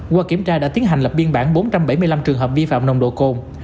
qua kiểm tra đã tiến hành lập biên bản bốn trăm bảy mươi năm trường hợp vi phạm nồng độ cồn